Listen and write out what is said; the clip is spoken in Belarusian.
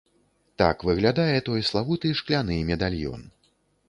Так выглядае той славуты шкляны медальён.